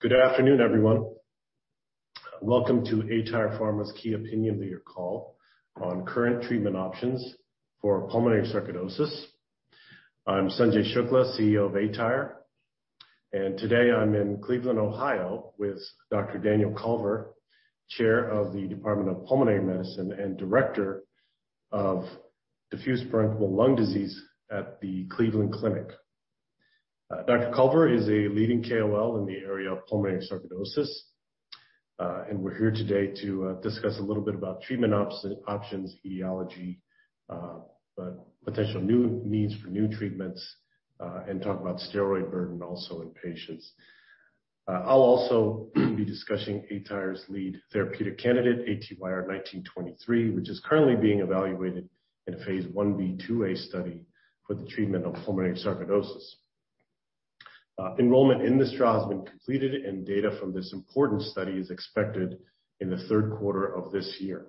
Good afternoon, everyone. Welcome to aTyr Pharma's Key Opinion Leader call on current treatment options for pulmonary sarcoidosis. I'm Sanjay Shukla, Chief Executive Officer of aTyr, and today I'm in Cleveland, Ohio, with Dr. Daniel Culver, Chair, Department of Pulmonary Medicine and Director of Diffuse Bronchial Lung Disease at the Cleveland Clinic. Dr. Culver is a leading KOL in the area of pulmonary sarcoidosis, and we're here today to discuss a little bit about treatment options, etiology, potential needs for new treatments, and talk about steroid burden also in patients. I'll also be discussing aTyr's lead therapeutic candidate, ATYR1923, which is currently being evaluated in a phase I-B/II study for the treatment of pulmonary sarcoidosis. Enrollment in this trial has been completed, and data from this important study is expected in the third quarter of this year.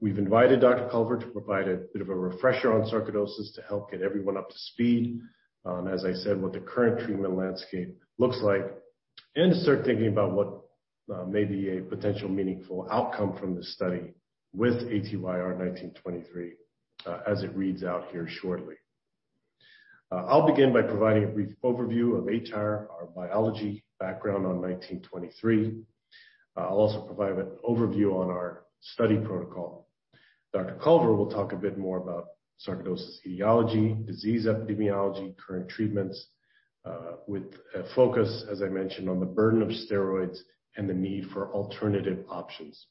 We've invited Dr. Culver to provide a bit of a refresher on sarcoidosis to help get everyone up to speed on, as I said, what the current treatment landscape looks like, and to start thinking about what may be a potential meaningful outcome from the study with ATYR1923 as it reads out here shortly. I'll begin by providing a brief overview of aTyr, our biology, background on 1923. I'll also provide an overview on our study protocol. Dr. Culver will talk a bit more about sarcoidosis etiology, disease epidemiology, current treatments with a focus, as I mentioned, on the burden of steroids and the need for alternative options.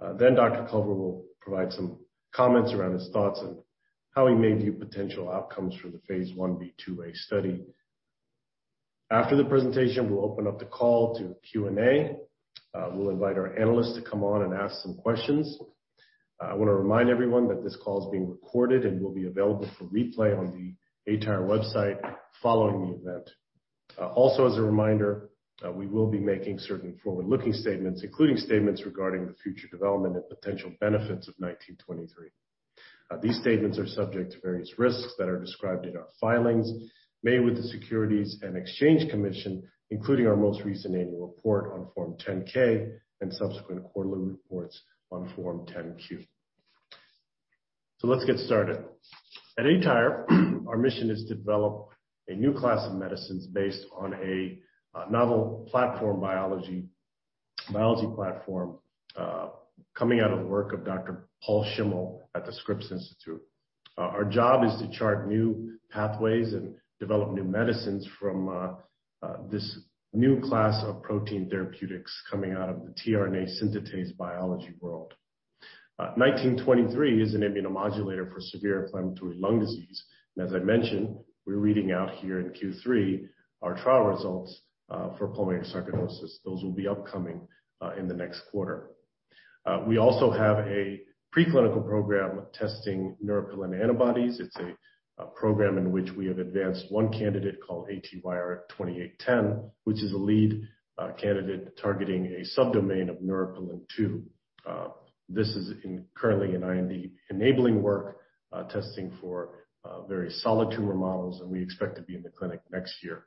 Dr. Culver will provide some comments around his thoughts on how we may view potential outcomes from the phase I-B/II study. After the presentation, we'll open up the call to Q&A. We'll invite our analysts to come on and ask some questions. I want to remind everyone that this call is being recorded and will be available for replay on the aTyr website following the event. As a reminder, we will be making certain forward-looking statements, including statements regarding the future development and potential benefits of 1923. These statements are subject to various risks that are described in our filings made with the Securities and Exchange Commission, including our most recent annual report on Form 10-K and subsequent quarterly reports on Form 10-Q. Let's get started. At aTyr, our mission is to develop a new class of medicines based on a novel biology platform coming out of the work of Dr. Paul Schimmel at The Scripps Research Institute. Our job is to chart new pathways and develop new medicines from this new class of protein therapeutics coming out of the tRNA synthetase biology world. 1923 is an immunomodulator for severe inflammatory lung disease. As I mentioned, we're reading out here in Q3 our trial results for pulmonary sarcoidosis. Those will be upcoming in the next quarter. We also have a preclinical program testing Neuropilin antibodies. It's a program in which we have advanced one candidate called ATYR2810, which is a lead candidate targeting a subdomain of Neuropilin-2. This is currently in IND-enabling work, testing for very solid tumor models, and we expect to be in the clinic next year.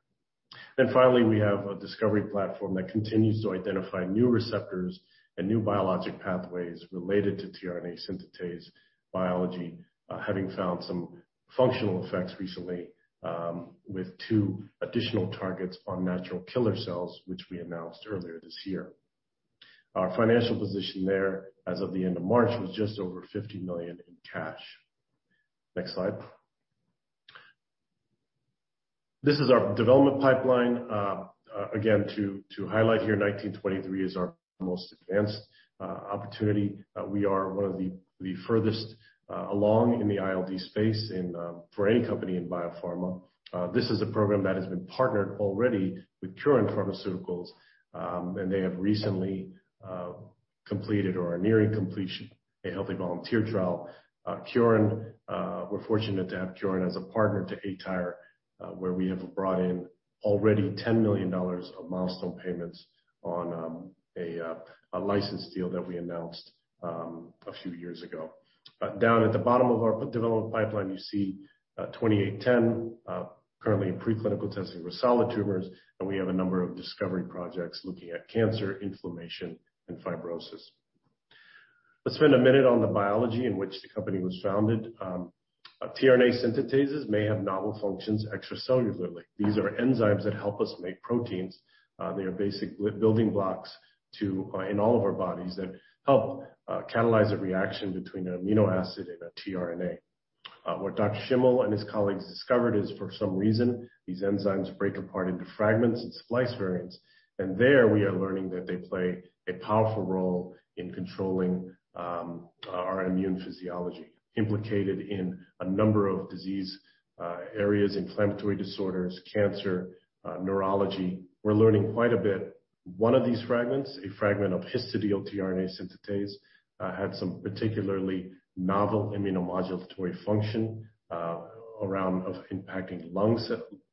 Finally, we have a discovery platform that continues to identify new receptors and new biologic pathways related to tRNA synthetase biology, having found some functional effects recently with two additional targets on natural killer cells, which we announced earlier this year. Our financial position there as of the end of March was just over $50 million in cash. Next slide. This is our development pipeline. Again, to highlight here, 1923 is our most advanced opportunity. We are one of the furthest along in the ILD space for any company in biopharma. This is a program that has been partnered already with Kyorin Pharmaceutical, they have recently completed or are nearing completion a healthy volunteer trial. We're fortunate to have Kyorin Pharmaceutical as a partner to aTyr, where we have brought in already $10 million of milestone payments on a license deal that we announced a few years ago. Down at the bottom of our development pipeline, you see ATYR2810, currently in preclinical testing with solid tumors, and we have a number of discovery projects looking at cancer, inflammation, and fibrosis. Let's spend a minute on the biology in which the company was founded. tRNA synthetases may have novel functions extracellularly. These are enzymes that help us make proteins. They are basic building blocks in all of our bodies that help catalyze a reaction between an amino acid and a tRNA. What Dr. Schimmel and his colleagues discovered is for some reason, these enzymes break apart into fragments and splice variants, and there we are learning that they play a powerful role in controlling our immune physiology, implicated in a number of disease areas, inflammatory disorders, cancer, neurology. We're learning quite a bit. One of these fragments, a fragment of histidyl-tRNA synthetase, had some particularly novel immunomodulatory function around impacting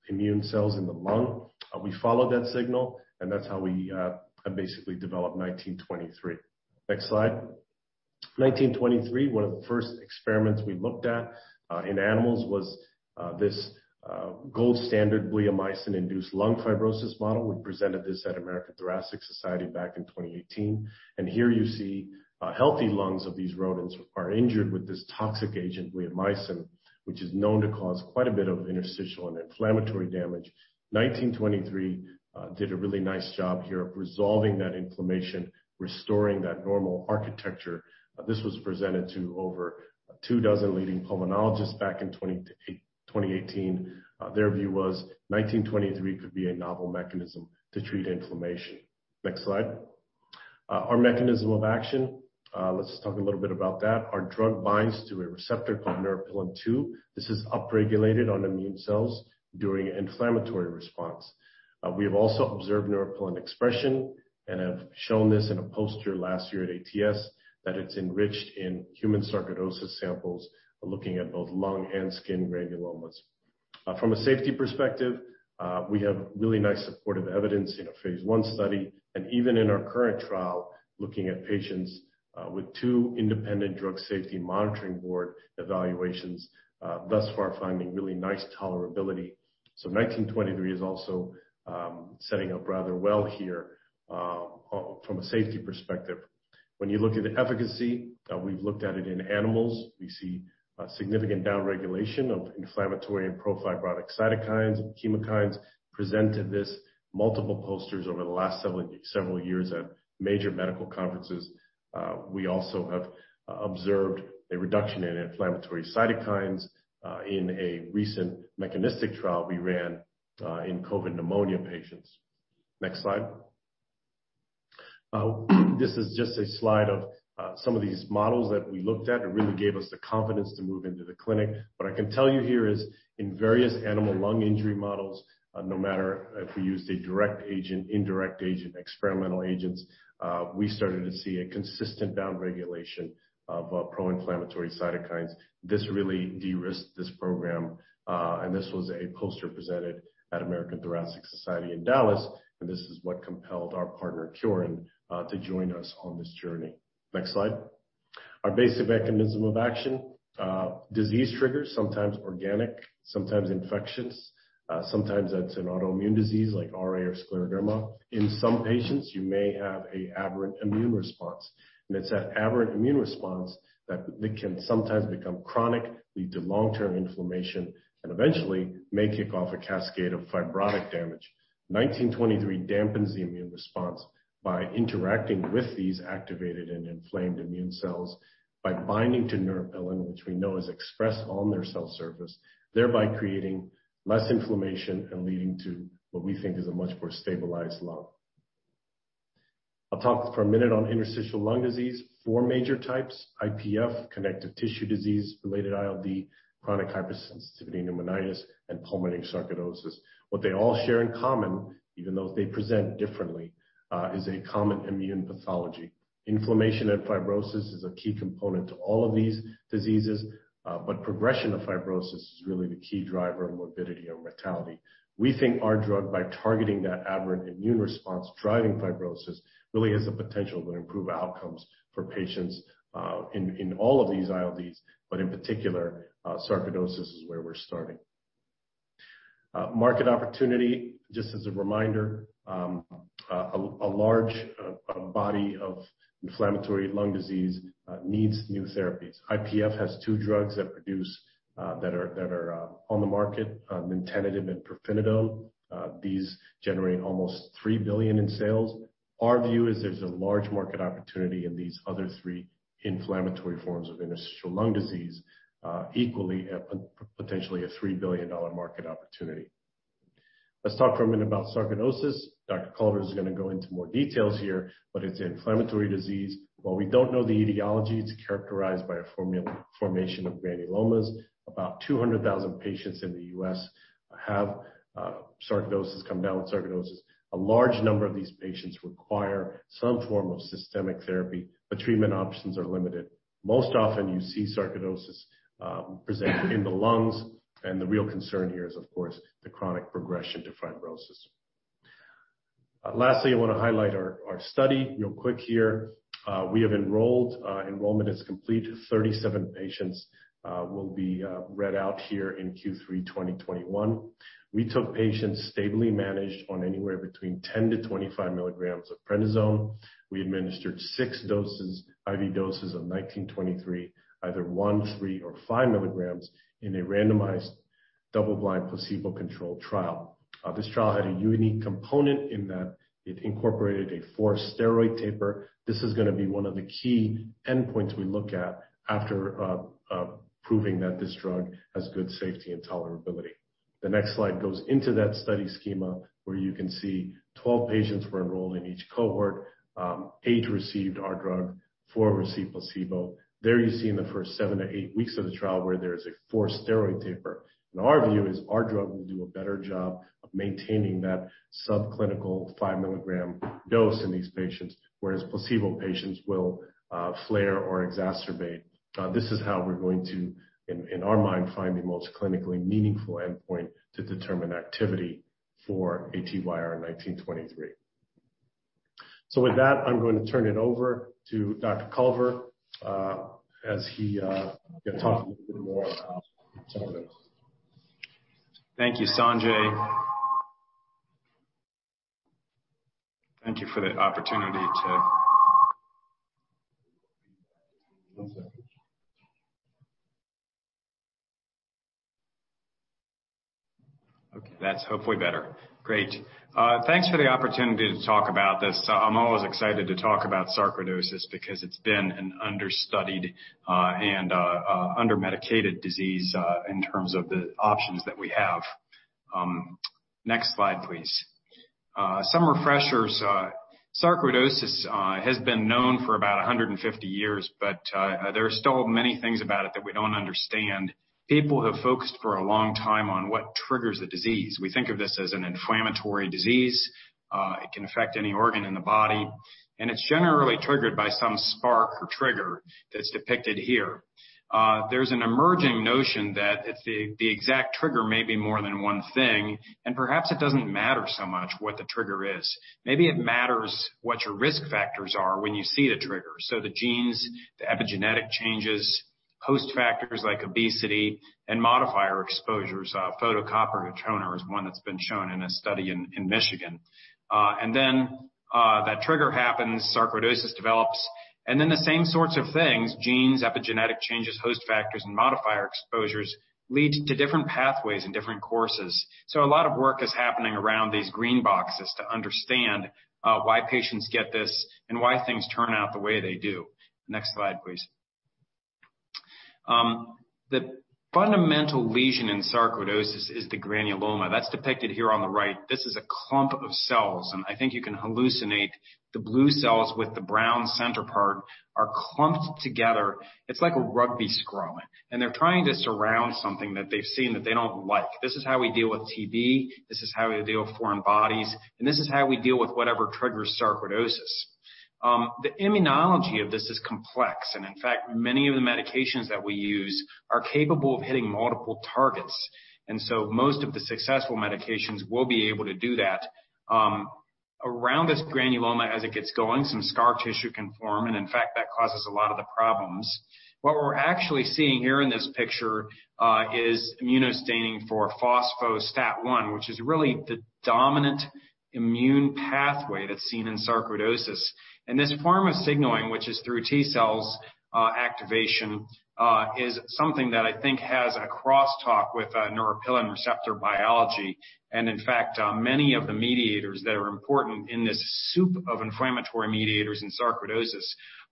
immune cells in the lung. We followed that signal, and that's how we basically developed 1923. Next slide. 1923, one of the first experiments we looked at in animals was this gold standard bleomycin-induced lung fibrosis model. We presented this at American Thoracic Society back in 2018, and here you see healthy lungs of these rodents are injured with this toxic agent, bleomycin, which is known to cause quite a bit of interstitial and inflammatory damage. 1923 did a really nice job here of resolving that inflammation, restoring that normal architecture. This was presented to over two dozen leading pulmonologists back in 2018. Their view was 1923 could be a novel mechanism to treat inflammation. Next slide. Our mechanism of action, let's talk a little bit about that. Our drug binds to a receptor called Neuropilin-2. This is upregulated on immune cells during an inflammatory response. We have also observed Neuropilin expression and have shown this in a poster last year at ATS, that it's enriched in human sarcoidosis samples, looking at both lung and skin granulomas. From a safety perspective, we have really nice supportive evidence in a phase I study, and even in our current trial, looking at patients with two independent Data Safety Monitoring Board evaluations, thus far finding really nice tolerability. 1923 is also setting up rather well here from a safety perspective. When you look at efficacy, we've looked at it in animals. We see a significant downregulation of inflammatory and pro-fibrotic cytokines and chemokines. We have presented this multiple posters over the last several years at major medical conferences. We also have observed a reduction in inflammatory cytokines in a recent mechanistic trial we ran in COVID pneumonia patients. Next slide. This is just a slide of some of these models that we looked at. It really gave us the confidence to move into the clinic. What I can tell you here is in various animal lung injury models, no matter if we used a direct agent, indirect agent, experimental agents, we started to see a consistent downregulation of pro-inflammatory cytokines. This really de-risked this program. This was a poster presented at American Thoracic Society in Dallas. This is what compelled our partner, Kyorin, to join us on this journey. Next slide. Our basic mechanism of action. Disease triggers, sometimes organic, sometimes infectious, sometimes that's an autoimmune disease like RA or scleroderma. In some patients, you may have an aberrant immune response, and it's that aberrant immune response that can sometimes become chronic, lead to long-term inflammation, and eventually may kick off a cascade of fibrotic damage. 1923 dampens the immune response by interacting with these activated and inflamed immune cells by binding to Neuropilin, which we know is expressed on their cell surface, thereby creating less inflammation and leading to what we think is a much more stabilized lung. I'll talk for a minute on interstitial lung disease. Four major types, IPF, connective tissue disease-related ILD, chronic hypersensitivity pneumonitis, and pulmonary sarcoidosis. What they all share in common, even though they present differently, is a common immune pathology. Inflammation and fibrosis is a key component to all of these diseases, but progression of fibrosis is really the key driver of morbidity or mortality. We think our drug, by targeting that aberrant immune response driving fibrosis, really has the potential to improve outcomes for patients in all of these ILDs, but in particular, sarcoidosis is where we're starting. Market opportunity, just as a reminder, a large body of inflammatory lung disease needs new therapies. IPF has two drugs that are on the market, nintedanib and pirfenidone. These generate almost $3 billion in sales. Our view is there's a large market opportunity in these other three inflammatory forms of interstitial lung disease, equally potentially a $3 billion market opportunity. Let's talk for a minute about sarcoidosis. Dr. Culver is going to go into more details here, but it's an inflammatory disease. While we don't know the etiology, it's characterized by a formation of granulomas. About 200,000 patients in the U.S. have sarcoidosis, come down with sarcoidosis. A large number of these patients require some form of systemic therapy, but treatment options are limited. Most often, you see sarcoidosis present in the lungs, and the real concern here is, of course, the chronic progression to fibrosis. Lastly, I want to highlight our study real quick here. We have enrolled. Enrollment is complete. 37 patients will be read out here in Q3 2021. We took patients stably managed on anywhere between 10 to 25 milligrams of prednisone. We administered six IV doses of 1923, either 1 mg, 3 mg, or 5 mg in a randomized double-blind placebo-controlled trial. This trial had a unique component in that it incorporated a forced steroid taper. This is going to be one of the key endpoints we look at after proving that this drug has good safety and tolerability. The next slide goes into that study schema where you can see 12 patients were enrolled in each cohort. Eight received our drug, four received placebo. There you see in the first seven to eight weeks of the trial where there is a forced steroid taper. Our view is our drug will do a better job of maintaining that subclinical 5-milligram dose in these patients, whereas placebo patients will flare or exacerbate. This is how we're going to, in our mind, find the most clinically meaningful endpoint to determine activity for ATYR1923. With that, I'm going to turn it over to Dr. Culver as he can talk a little bit more about some of this. Thank you, Sanjay. Thank you for the opportunity to one second. Okay. That's hopefully better. Great. Thanks for the opportunity to talk about this. I'm always excited to talk about sarcoidosis because it's been an understudied and under-medicated disease in terms of the options that we have. Net slide, please. Some refreshers, sarcoidosis has been known for about 150 years, but there are still many things about it that we don't understand. People have focused for a long time on what triggers the disease. We think of this as an inflammatory disease. It can affect any organ in the body, and it's generally triggered by some spark or trigger that's depicted here. There's an emerging notion that the exact trigger may be more than one thing, and perhaps it doesn't matter so much what the trigger is. Maybe it matters what your risk factors are when you see a trigger. The genes, the epigenetic changes, host factors like obesity and modifier exposures. Photocopier toner is one that's been shown in a study in Michigan. That trigger happens, sarcoidosis develops, and then the same sorts of things, genes, epigenetic changes, host factors, and modifier exposures, lead to different pathways and different courses. A lot of work is happening around these green boxes to understand why patients get this and why things turn out the way they do. Next slide, please. The fundamental lesion in sarcoidosis is the granuloma that's depicted here on the right. This is a clump of cells, and I think you can hallucinate the blue cells with the brown center part are clumped together. It's like a rugby scrum, and they're trying to surround something that they've seen that they don't like. This is how we deal with TB, this is how we deal with foreign bodies, and this is how we deal with whatever triggers sarcoidosis. The immunology of this is complex, and in fact, many of the medications that we use are capable of hitting multiple targets, and so most of the successful medications will be able to do that. Around this granuloma as it gets going, some scar tissue can form, and in fact, that causes a lot of the problems. What we're actually seeing here in this picture is immunostaining for phospho-STAT1, which is really the dominant immune pathway that's seen in sarcoidosis. This form of signaling, which is through T cells activation, is something that I think has a crosstalk with Neuropilin receptor biology. In fact, many of the mediators that are important in this soup of inflammatory mediators in sarcoidosis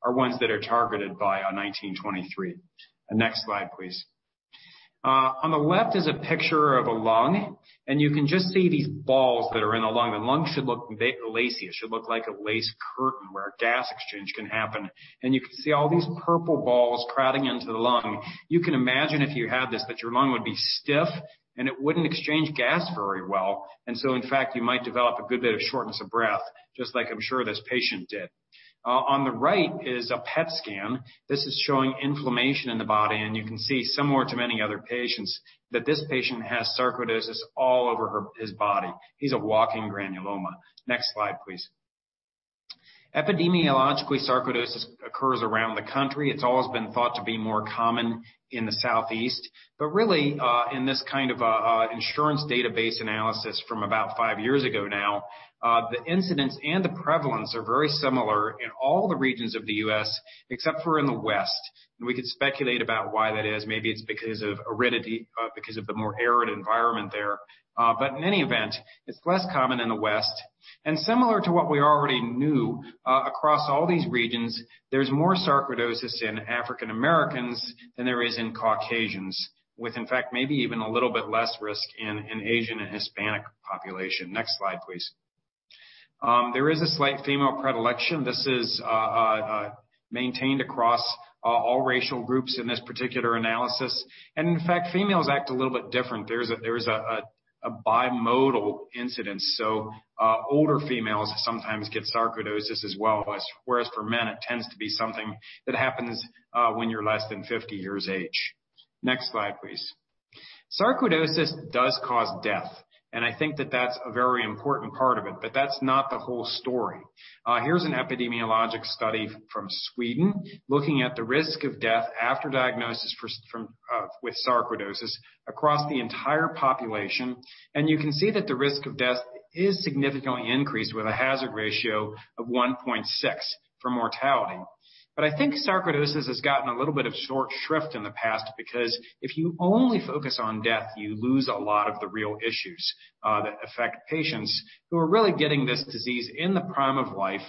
are ones that are targeted by 1923. Next slide, please. On the left is a picture of a lung, and you can just see these balls that are in the lung. A lung should look lacy. It should look like a lace curtain where gas exchange can happen. You can see all these purple balls crowding into the lung. You can imagine if you had this, that your lung would be stiff and it wouldn't exchange gas very well. In fact, you might develop a good bit of shortness of breath, just like I'm sure this patient did. On the right is a PET scan, this is showing inflammation in the body, and you can see similar to many other patients that this patient has sarcoidosis all over his body. He's a walking granuloma. Next slide, please. Epidemiologically, sarcoidosis occurs around the country. It's always been thought to be more common in the southeast, but really, in this kind of insurance database analysis from about five years ago now, the incidence and the prevalence are very similar in all the regions of the U.S. except for in the West. We can speculate about why that is. Maybe it's because of the more arid environment there. In any event, it's less common in the West. Similar to what we already knew, across all these regions, there's more sarcoidosis in African Americans than there is in Caucasians with, in fact, maybe even a little bit less risk in Asian and Hispanic population. Next slide, please. There is a slight female predilection. This is maintained across all racial groups in this particular analysis, females act a little bit different. There's a bimodal incidence, older females sometimes get sarcoidosis as well, whereas for men, it tends to be something that happens when you're less than 50 years of age. Next slide, please. Sarcoidosis does cause death, I think that that's a very important part of it, that's not the whole story. Here's an epidemiologic study from Sweden looking at the risk of death after diagnosis with sarcoidosis across the entire population. You can see that the risk of death is significantly increased with a hazard ratio of 1.6 for mortality. I think sarcoidosis has gotten a little bit of short shrift in the past because if you only focus on death, you lose a lot of the real issues that affect patients who are really getting this disease in the prime of life,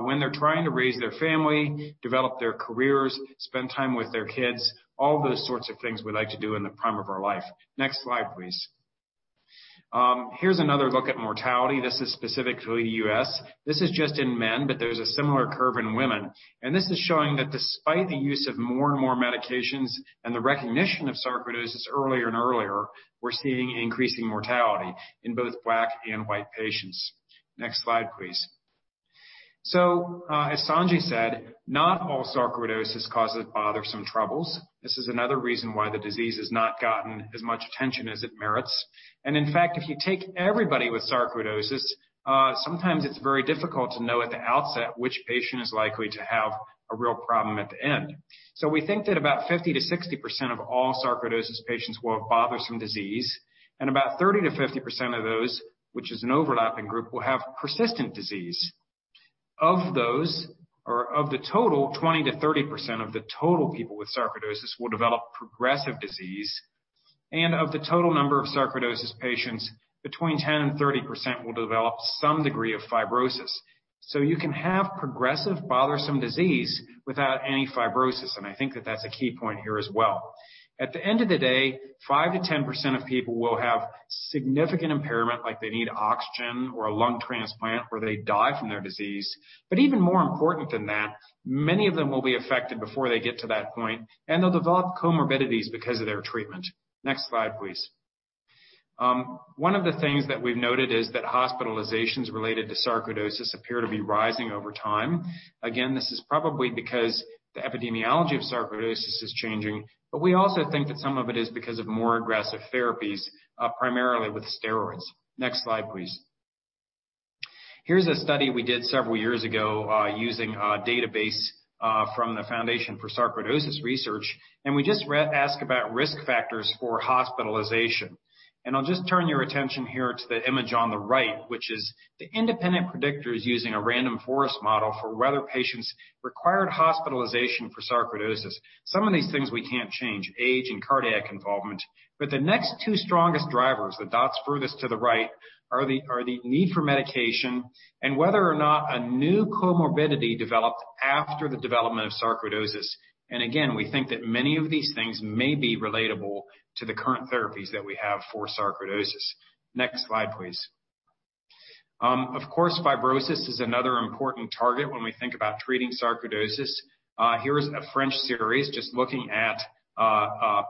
when they're trying to raise their family, develop their careers, spend time with their kids, all those sorts of things we like to do in the prime of our life. Next slide, please. Here's another look at mortality. This is specific to the U.S. This is just in men, but there's a similar curve in women, and this is showing that despite the use of more and more medications and the recognition of sarcoidosis earlier and earlier, we're seeing increasing mortality in both Black and white patients. Next slide, please. As Sanjay said, not all sarcoidosis causes bothersome troubles. This is another reason why the disease has not gotten as much attention as it merits. In fact, if you take everybody with sarcoidosis, sometimes it's very difficult to know at the outset which patient is likely to have a real problem at the end. We think that about 50%-60% of all sarcoidosis patients will have bothersome disease, and about 30%-50% of those, which is an overlapping group, will have persistent disease. Of the total, 20%-30% of the total people with sarcoidosis will develop progressive disease. Of the total number of sarcoidosis patients, between 10% and 30% will develop some degree of fibrosis. You can have progressive, bothersome disease without any fibrosis, and I think that that's a key point here as well. At the end of the day, 5%-10% of people will have significant impairment, like they need oxygen or a lung transplant, or they die from their disease. Even more important than that, many of them will be affected before they get to that point, and they'll develop comorbidities because of their treatment. Next slide, please. One of the things that we've noted is that hospitalizations related to sarcoidosis appear to be rising over time. Again, this is probably because the epidemiology of sarcoidosis is changing, but we also think that some of it is because of more aggressive therapies, primarily with steroids. Next slide, please. Here's a study we did several years ago using a database from the Foundation for Sarcoidosis Research, and we just asked about risk factors for hospitalization. I'll just turn your attention here to the image on the right, which is the independent predictors using a random forest model for whether patients required hospitalization for sarcoidosis. Some of these things we can't change, age and cardiac involvement. The next two strongest drivers, the dots furthest to the right, are the need for medication and whether or not a new comorbidity developed after the development of sarcoidosis. Again, we think that many of these things may be relatable to the current therapies that we have for sarcoidosis. Next slide, please. Of course, fibrosis is another important target when we think about treating sarcoidosis. Here is a French series just looking at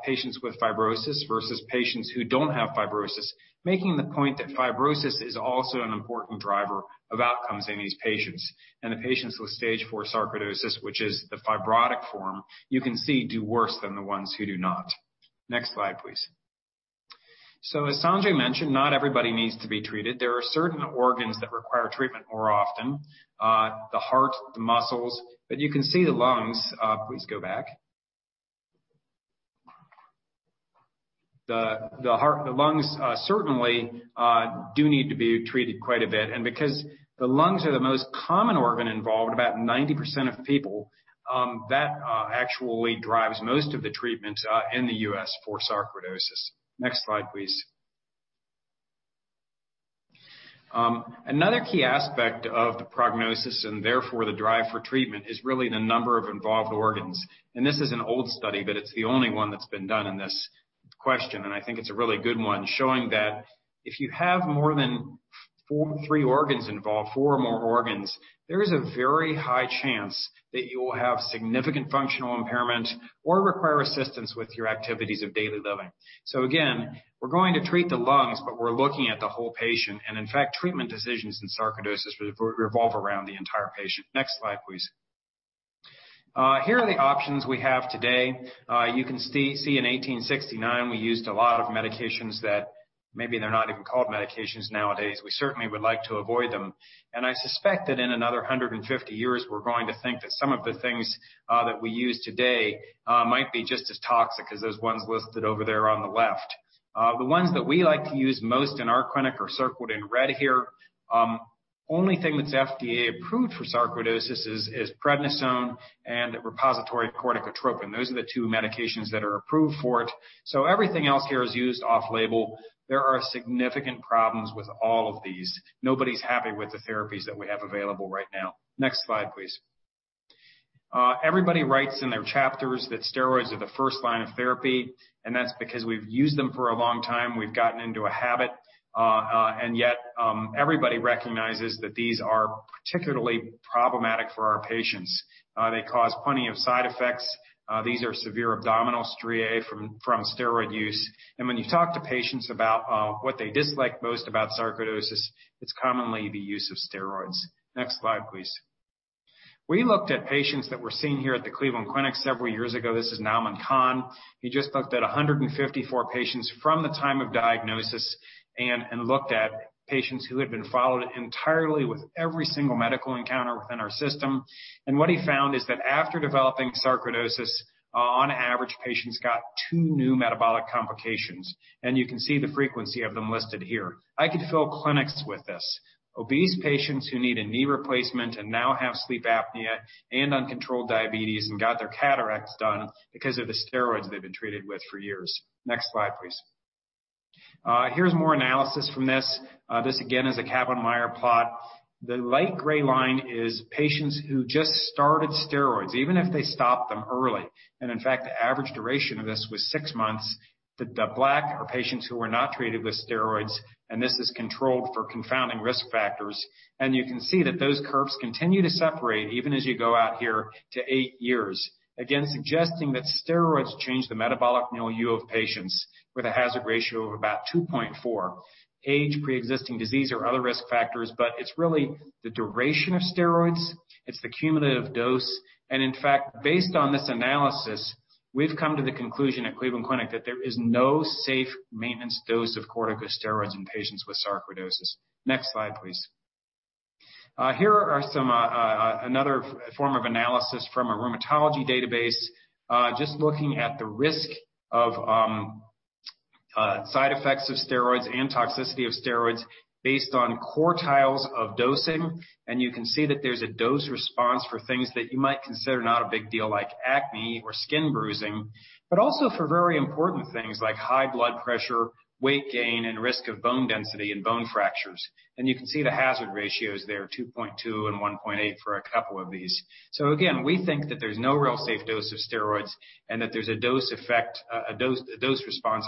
patients with fibrosis versus patients who don't have fibrosis, making the point that fibrosis is also an important driver of outcomes in these patients. The patients with stage 4 sarcoidosis, which is the fibrotic form, you can see do worse than the ones who do not. Next slide, please. As Sanjay mentioned, not everybody needs to be treated. There are certain organs that require treatment more often. The heart, the muscles, but you can see the lungs. Please go back. The lungs certainly do need to be treated quite a bit, and because the lungs are the most common organ involved, about 90% of people, that actually drives most of the treatment in the U.S. for sarcoidosis. Next slide, please. Another key aspect of the prognosis and therefore the drive for treatment is really the number of involved organs. This is an old study, but it's the only one that's been done on this question, and I think it's a really good one, showing that if you have more than three organs involved, four or more organs, there is a very high chance that you will have significant functional impairment or require assistance with your activities of daily living. Again, we're going to treat the lungs, but we're looking at the whole patient. In fact, treatment decisions in sarcoidosis revolve around the entire patient. Next slide, please. Here are the options we have today. You can see in 1869, we used a lot of medications that maybe they're not even called medications nowadays. We certainly would like to avoid them. I suspect that in another 150 years, we're going to think that some of the things that we use today might be just as toxic as those ones listed over there on the left. The ones that we like to use most in our clinic are circled in red here. Only thing that's FDA approved for sarcoidosis is prednisone and repository corticotropin. Those are the two medications that are approved for it. Everything else here is used off-label. There are significant problems with all of these. Nobody's happy with the therapies that we have available right now. Next slide, please. Everybody writes in their chapters that steroids are the first line of therapy, and that's because we've used them for a long time. We've gotten into a habit, and yet everybody recognizes that these are particularly problematic for our patients. They cause plenty of side effects. These are severe abdominal striae from steroid use. When you talk to patients about what they dislike most about sarcoidosis, it's commonly the use of steroids. Next slide, please. We looked at patients that were seen here at the Cleveland Clinic several years ago. This is Nauman Khan. He just looked at 154 patients from the time of diagnosis and looked at patients who had been followed entirely with every single medical encounter within our system. What he found is that after developing sarcoidosis, on average, patients got two new metabolic complications, and you can see the frequency of them listed here. I could fill clinics with this. Obese patients who need a knee replacement and now have sleep apnea and uncontrolled diabetes and got their cataracts done because of the steroids they've been treated with for years. Next slide, please. Here's more analysis from this. This, again, is a Kaplan-Meier plot. The light gray line is patients who just started steroids, even if they stopped them early, and in fact, the average duration of this was six months. The black are patients who were not treated with steroids. This is controlled for confounding risk factors. You can see that those curves continue to separate even as you go out here to eight years. Again, suggesting that steroids change the metabolic milieu of patients with a hazard ratio of about 2.4. Age, preexisting disease, or other risk factors, but it's really the duration of steroids, it's the cumulative dose, and in fact, based on this analysis We've come to the conclusion at Cleveland Clinic that there is no safe maintenance dose of corticosteroids in patients with sarcoidosis. Next slide, please. Here are another form of analysis from a rheumatology database, just looking at the risk of side effects of steroids and toxicity of steroids based on quartiles of dosing. You can see that there's a dose response for things that you might consider not a big deal, like acne or skin bruising, but also for very important things like high blood pressure, weight gain, and risk of bone density and bone fractures. You can see the hazard ratios there, 2.2 and 1.8 for a couple of these. Again, we think that there's no real safe dose of steroids and that there's a dose-response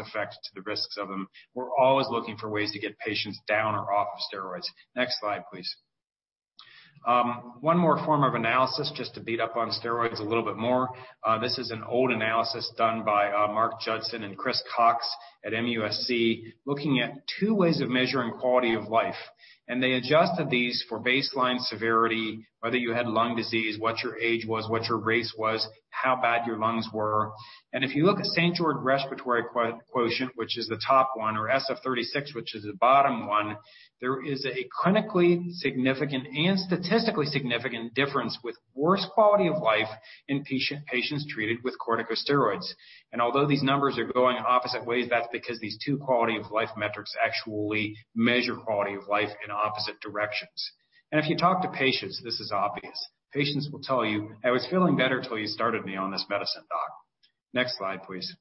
effect to the risks of them. We're always looking for ways to get patients down or off of steroids. Next slide, please. One more form of analysis just to beat up on steroids a little bit more. This is an old analysis done by Marc Judson and Chris Cox at MUSC, looking at two ways of measuring quality of life. They adjusted these for baseline severity, whether you had lung disease, what your age was, what your race was, how bad your lungs were. If you look at St. George's Respiratory Questionnaire, which is the top one, or SF-36, which is the bottom one, there is a clinically significant and statistically significant difference with worse quality of life in patients treated with corticosteroids. Although these numbers are going opposite ways, that's because these two quality-of-life metrics actually measure quality of life in opposite directions. If you talk to patients, this is obvious. Patients will tell you, "I was feeling better till you started me on this medicine, doc." Next slide, please.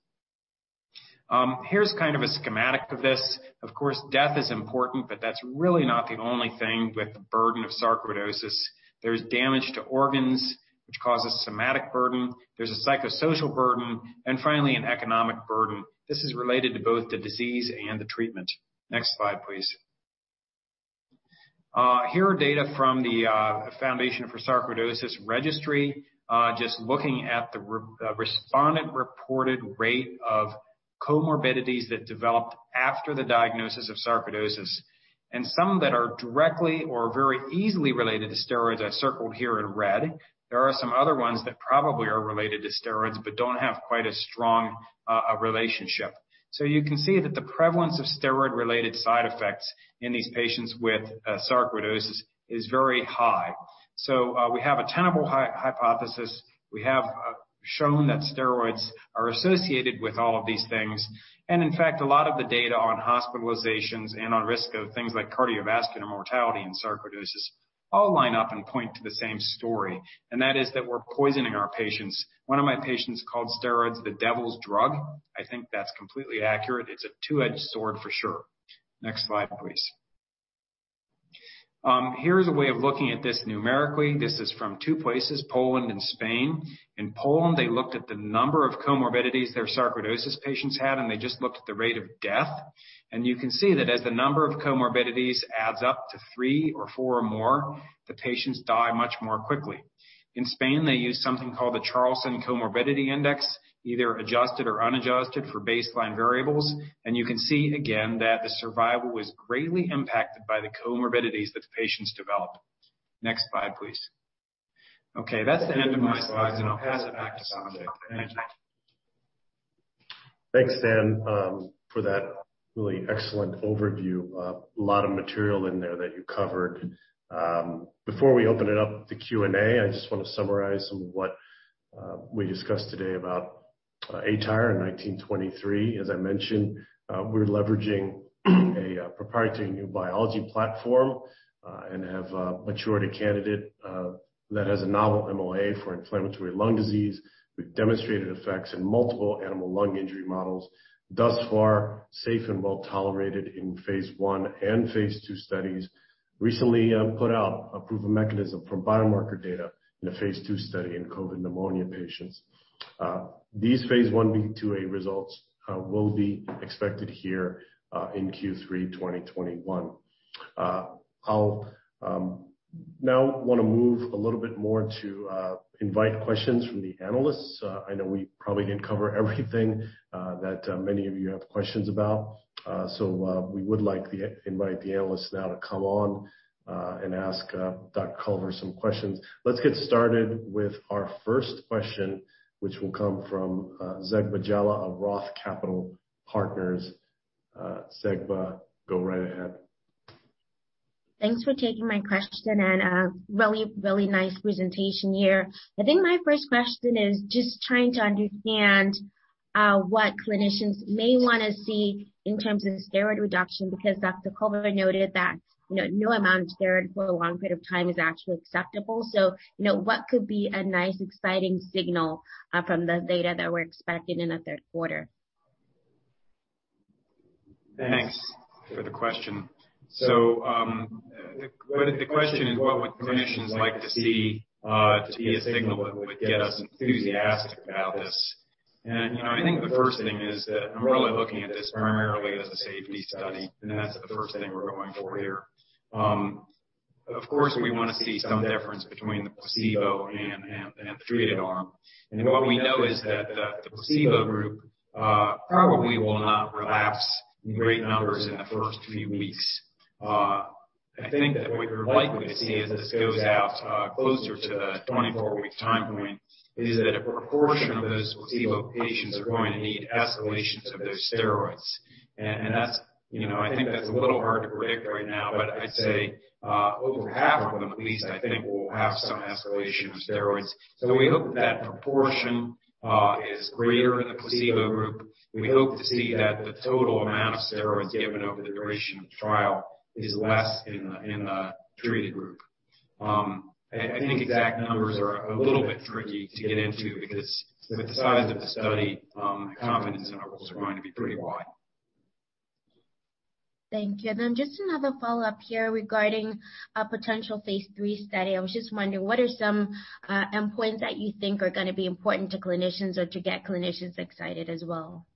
Here's a schematic of this, of course, death is important, but that's really not the only thing with the burden of sarcoidosis. There's damage to organs, which causes somatic burden. There's a psychosocial burden, and finally, an economic burden. This is related to both the disease and the treatment. Next slide, please. Here are data from the Foundation for Sarcoidosis Research, just looking at the respondent-reported rate of comorbidities that developed after the diagnosis of sarcoidosis, and some that are directly or very easily related to steroids are circled here in red. There are some other ones that probably are related to steroids but don't have quite a strong relationship. You can see that the prevalence of steroid-related side effects in these patients with sarcoidosis is very high. We have a tenable hypothesis. We have shown that steroids are associated with all of these things. In fact, a lot of the data on hospitalizations and on risk of things like cardiovascular mortality and sarcoidosis all line up and point to the same story, and that is that we're poisoning our patients. One of my patients called steroids the devil's drug. I think that's completely accurate. It's a two-edged sword for sure. Next slide, please. Here's a way of looking at this numerically. This is from two places, Poland and Spain. In Poland, they looked at the number of comorbidities their sarcoidosis patients had, and they just looked at the rate of death. You can see that as the number of comorbidities adds up to three or four or more, the patients die much more quickly. In Spain, they used something called the Charlson Comorbidity Index, either adjusted or unadjusted for baseline variables. You can see again that the survival was greatly impacted by the comorbidities that the patients developed. Next slide, please. Okay, that's the end of my slides, and I'll pass it back to Sanjay. Thanks. Thanks, Dan, for that really excellent overview. A lot of material in there that you covered. Before we open it up to Q&A, I just want to summarize what we discussed today about aTyr in 1923. As I mentioned, we're leveraging a proprietary new biology platform and have matured a candidate that has a novel MOA for inflammatory lung disease. We've demonstrated effects in multiple animal lung injury models. Thus far, safe and well-tolerated in phase I and phase II studies. Recently put out a proof of mechanism for biomarker data in a phase II study in COVID pneumonia patients. These phase I-B/IIa results will be expected here in Q3 2021. I'll now want to move a little bit more to invite questions from the analysts. I know we probably didn't cover everything that many of you have questions about. We would like to invite the analysts now to come on and ask Dr. Culver some questions. Let's get started with our first question, which will come from Zegbeh Jallah of Roth Capital Partners. Zegbeh, go right ahead. Thanks for taking my question. A really nice presentation here. I think my first question is just trying to understand what clinicians may want to see in terms of steroid reduction, because Dr. Culver noted that no amount of steroid for a long period of time is actually acceptable. What could be a nice, exciting signal from the data that we're expecting in the third quarter? Thanks for the question. The question is, what would clinicians like to see to be a signal that would get us enthusiastic about this? I think the first thing is that I'm really looking at this primarily as a safety study, and that's the first thing we're going for here. Of course, we want to see some difference between the placebo and the treated arm. What we know is that the placebo group probably will not relapse in great numbers in the first few weeks. I think that what you're likely to see as this goes out closer to the 24-week time point is that a proportion of those placebo patients are going to need escalations of those steroids. I think that's a little hard to predict right now, but I'd say over half of them at least, I think, will have some escalation of steroids. We hope that proportion is greater than the placebo group. We hope to see that the total amount of steroids given over the duration of the trial is less in the treated group. I think exact numbers are a little bit tricky to get into because the size of the study, the confidence intervals are going to be pretty wide. Thank you. Just another follow-up here regarding a potential phase III study. I was just wondering, what are some endpoints that you think are going to be important to clinicians or to get clinicians excited as well?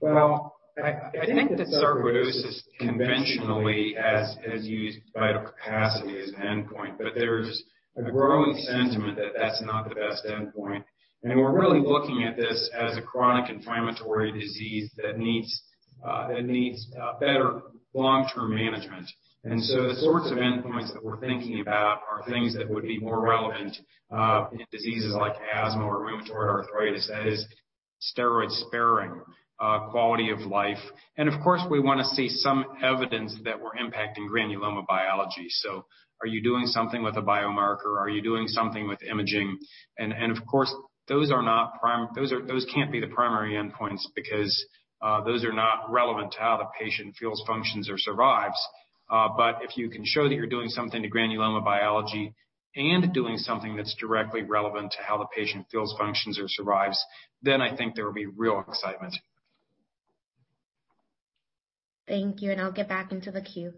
Well, I think that sarcoidosis conventionally as used by capacity as an endpoint, but there's a growing sentiment that that's not the best endpoint. We're really looking at this as a chronic inflammatory disease that needs better long-term management. The sorts of endpoints that we're thinking about are things that would be more relevant in diseases like asthma or rheumatoid arthritis, that is steroid-sparing, quality of life. Of course, we want to see some evidence that we're impacting granuloma biology. Are you doing something with a biomarker? Are you doing something with imaging? Of course, those can't be the primary endpoints because those are not relevant to how the patient feels, functions, or survives. If you can show that you're doing something to granuloma biology and doing something that's directly relevant to how the patient feels, functions, or survives, then I think there will be real excitement. Thank you. I'll get back into the queue.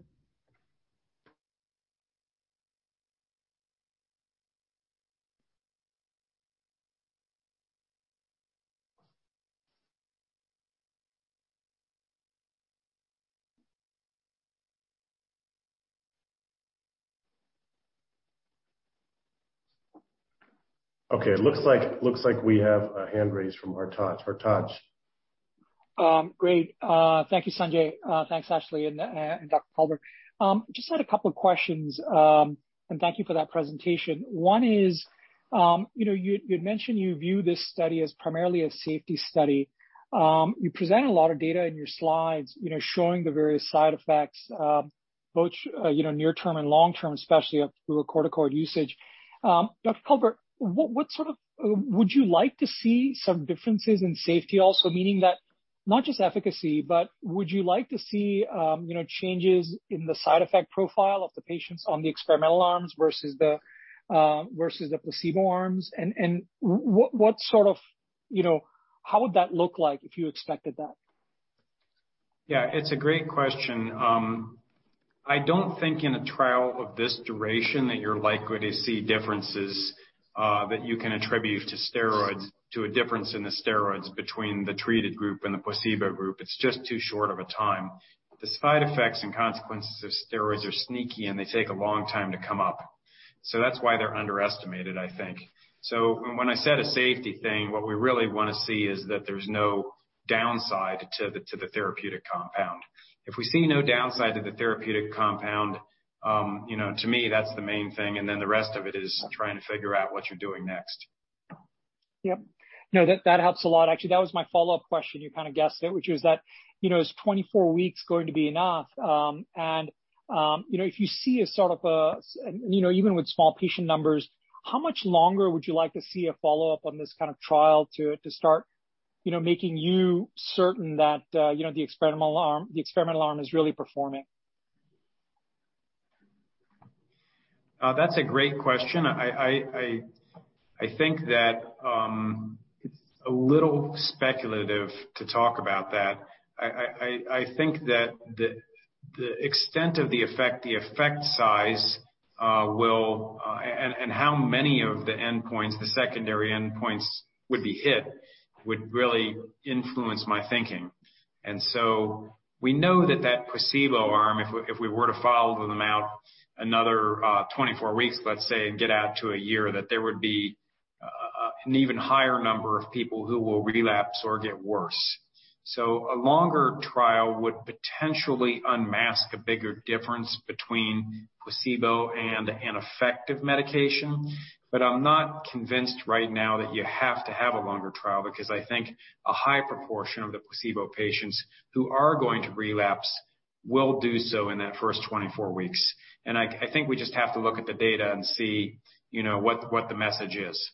Okay. Looks like we have a hand raised from Hartaj. Hartaj. Great. Thank you, Sanjay. Thanks, Ashlee and Dr. Culver. Had a couple of questions, and thank you for that presentation. One is, you mentioned you view this study as primarily a safety study. You present a lot of data in your slides showing the various side effects, both near term and long term, especially through the corticosteroid usage. Dr. Culver, would you like to see some differences in safety also, meaning that not just efficacy, but would you like to see changes in the side effect profile of the patients on the experimental arms versus the placebo arms? How would that look like if you expected that? Yeah, it's a great question. I don't think in a trial of this duration that you're likely to see differences that you can attribute to steroids, to a difference in the steroids between the treated group and the placebo group. It's just too short of a time. The side effects and consequences of steroids are sneaky, and they take a long time to come up. That's why they're underestimated, I think. When I said a safety thing, what we really want to see is that there's no downside to the therapeutic compound. If we see no downside to the therapeutic compound, to me, that's the main thing, and then the rest of it is trying to figure out what you're doing next. Yep. No, that helps a lot, actually. That was my follow-up question. You kind of guessed it, which is that, is 24 weeks going to be enough? If you see a sort of even with small patient numbers, how much longer would you like to see a follow-up on this kind of trial to start making you certain that the experimental arm is really performing? That's a great question. I think that it's a little speculative to talk about that. I think that the extent of the effect, the effect size, and how many of the endpoints, the secondary endpoints would be hit, would really influence my thinking. We know that that placebo arm, if we were to follow them out another 24 weeks, let's say, and get out to a year, that there would be an even higher number of people who will relapse or get worse. A longer trial would potentially unmask a bigger difference between placebo and an effective medication. I'm not convinced right now that you have to have a longer trial because I think a high proportion of the placebo patients who are going to relapse will do so in that first 24 weeks. I think we just have to look at the data and see what the message is.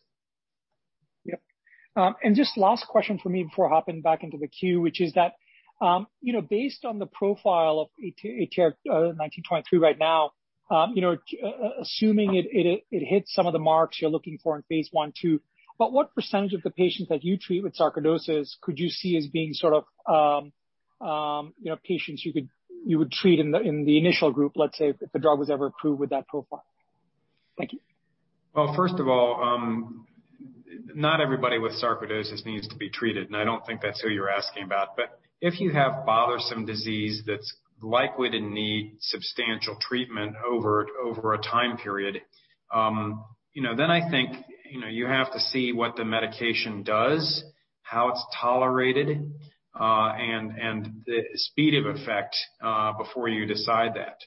Yep. Just last question from me before hopping back into the queue, which is that based on the profile of ATYR1923 right now, assuming it hits some of the marks you're looking for in phase I, II, but what % of the patients that you treat with sarcoidosis could you see as being sort of patients you would treat in the initial group, let's say, if the drug was ever approved with that profile? Thank you. First of all, not everybody with sarcoidosis needs to be treated, and I don't think that's who you're asking about. If you have bothersome disease that's likely to need substantial treatment over a time period, then I think you have to see what the medication does. How it's tolerated, and the speed of effect before you decide that.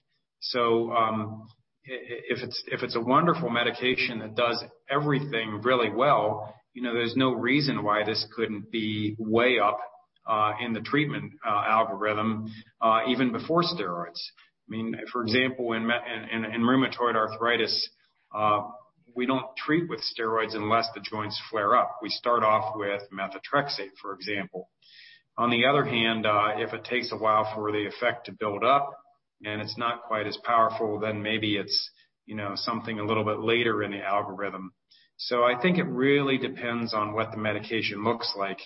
If it's a wonderful medication that does everything really well, there's no reason why this couldn't be way up in the treatment algorithm, even before steroids. For example, in rheumatoid arthritis, we don't treat with steroids unless the joints flare up. We start off with methotrexate, for example. On the other hand, if it takes a while for the effect to build up and it's not quite as powerful, then maybe it's something a little bit later in the algorithm. I think it really depends on what the medication looks like.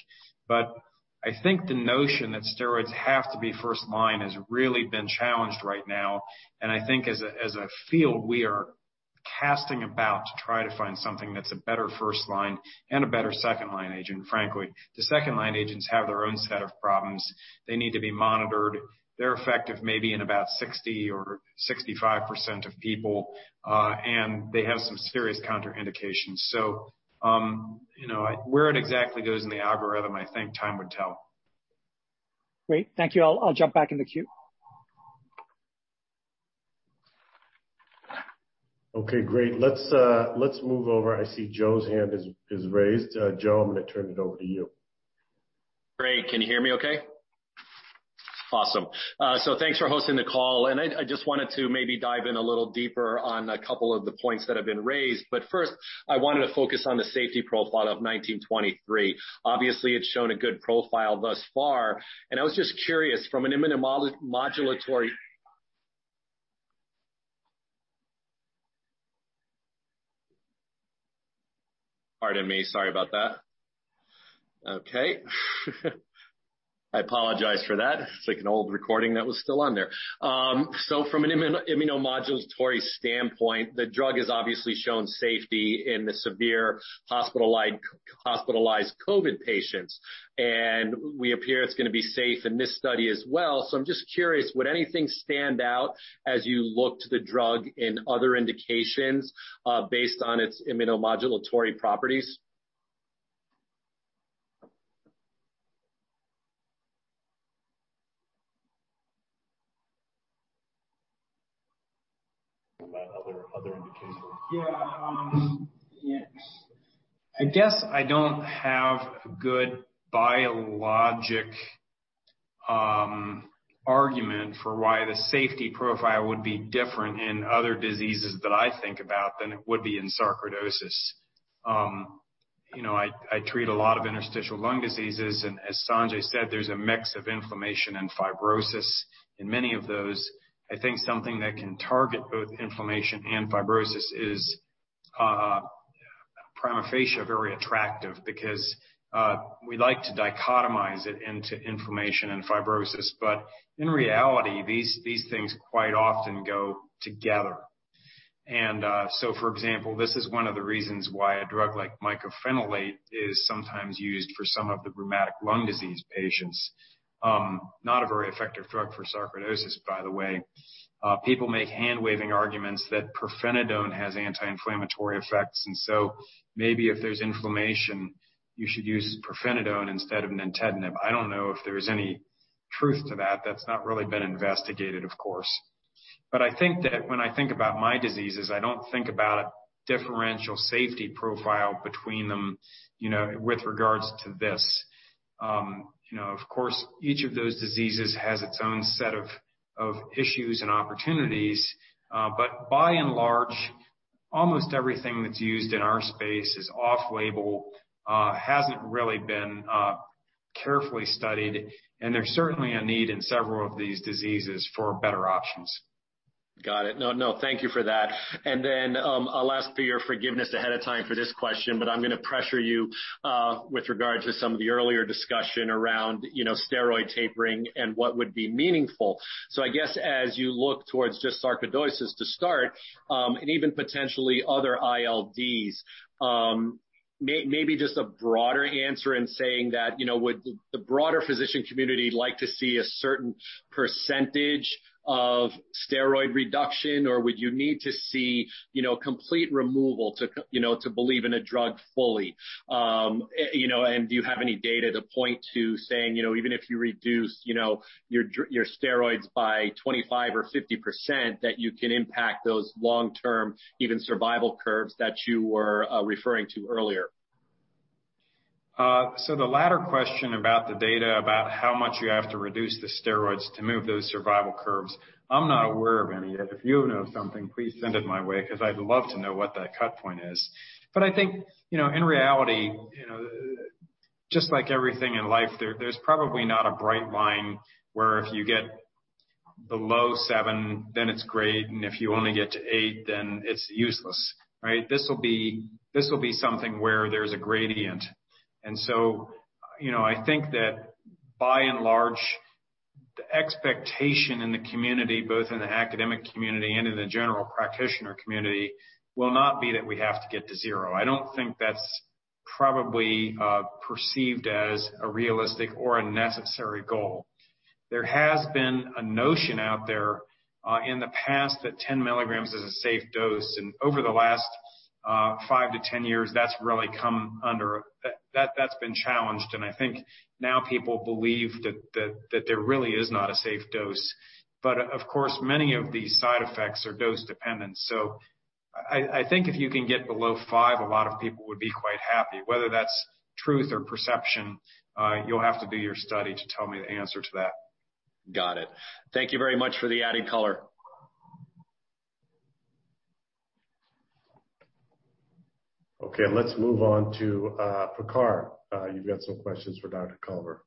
I think the notion that steroids have to be first-line has really been challenged right now, and I think as a field, we are casting about to try to find something that's a better first-line and a better second-line agent, frankly. The second-line agents have their own set of problems. They need to be monitored. They're effective maybe in about 60% or 65% of people, and they have some serious contraindications. Where it exactly goes in the algorithm, I think time will tell. Great. Thank you all. I'll jump back in the queue. Great. Let's move over. I see Joe's hand is raised. Joe, I'm going to turn it over to you. Great. Can you hear me okay? Awesome. Thanks for hosting the call, and I just wanted to maybe dive in a little deeper on a couple of the points that have been raised. First, I wanted to focus on the safety profile of 1923. Obviously, it's shown a good profile thus far, and I was just curious. Pardon me, sorry about that. Okay. I apologize for that. It's like an old recording that was still on there. From an immunomodulatory standpoint, the drug has obviously shown safety in the severe hospitalized COVID patients, and we appear it's going to be safe in this study as well. I'm just curious, would anything stand out as you look to the drug in other indications based on its immunomodulatory properties? Other indications. I guess I don't have a good biologic argument for why the safety profile would be different in other diseases that I think about than it would be in sarcoidosis. I treat a lot of interstitial lung diseases, and as Sanjay said, there's a mix of inflammation and fibrosis in many of those. I think something that can target both inflammation and fibrosis is prima facie very attractive because we like to dichotomize it into inflammation and fibrosis. In reality, these things quite often go together. For example, this is one of the reasons why a drug like mycophenolate is sometimes used for some of the rheumatic lung disease patients. Not a very effective drug for sarcoidosis, by the way. People make hand-waving arguments that pirfenidone has anti-inflammatory effects, and so maybe if there's inflammation, you should use pirfenidone instead of nintedanib. I don't know if there's any truth to that. That's not really been investigated, of course. I think that when I think about my diseases, I don't think about a differential safety profile between them, with regards to this. Of course, each of those diseases has its own set of issues and opportunities, but by and large, almost everything that's used in our space is off-label, hasn't really been carefully studied, and there's certainly a need in several of these diseases for better options. Got it. No, thank you for that. Then I'll ask for your forgiveness ahead of time for this question, but I'm going to pressure you with regards to some of the earlier discussion around steroid tapering and what would be meaningful. I guess as you look towards just sarcoidosis to start, and even potentially other ILDs, maybe just a broader answer in saying that would the broader physician community like to see a certain % of steroid reduction, or would you need to see complete removal to believe in a drug fully? Do you have any data to point to saying, even if you reduce your steroids by 25% or 50%, that you can impact those long-term, even survival curves that you were referring to earlier? The latter question about the data about how much you have to reduce the steroids to move those survival curves, I'm not aware of any yet. If you know something, please send it my way because I'd love to know what that cut point is. I think, in reality, just like everything in life, there's probably not a bright line where if you get below seven, then it's great, and if you only get to eight, then it's useless. This will be something where there's a gradient. I think that by and large, the expectation in the community, both in the academic community and in the general practitioner community, will not be that we have to get to zero. I don't think that's probably perceived as a realistic or a necessary goal. There has been a notion out there in the past that 10 mg is a safe dose. Over the last five to 10 years, that's been challenged. I think now people believe that there really is not a safe dose. Of course, many of these side effects are dose-dependent. I think if you can get below five, a lot of people would be quite happy. Whether that's truth or perception, you'll have to do your study to tell me the answer to that. Got it. Thank you very much for the adding color. Okay, let's move on to Prakhar. You've got some questions for Dr. Culver.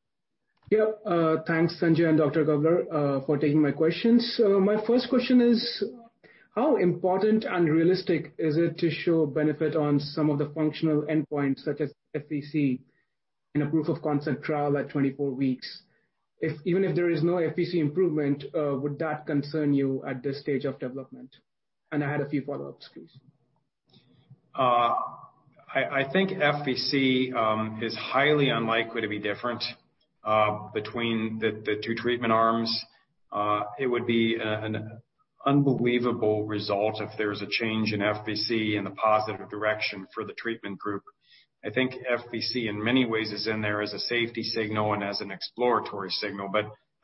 Yep. Thanks, Sanjay and Dr. Culver, for taking my questions. My first question is, how important and realistic is it to show benefit on some of the functional endpoints, such as FVC, in a proof of concept trial at 24 weeks? Even if there is no FVC improvement, would that concern you at this stage of development? I have a few follow-ups. I think FVC is highly unlikely to be different between the two treatment arms. It would be an unbelievable result if there's a change in FVC in a positive direction for the treatment group. I think FVC in many ways is in there as a safety signal and as an exploratory signal.